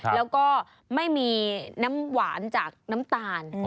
แล้วก็ไม่มีน้ำหวานจากน้ำตาล